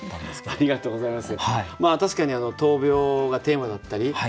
ありがとうございます！